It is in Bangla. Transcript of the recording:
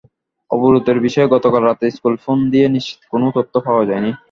অবরোধের বিষয়ে গতকাল রাতে স্কুলে ফোন দিয়ে নিশ্চিত কোনো তথ্য পাওয়া যায়নি।